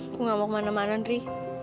aku gak mau kemana mana dri